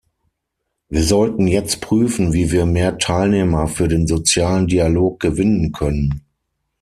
Wir sollten jetzt prüfen, wie wir mehr Teilnehmer für den sozialen Dialog gewinnen können.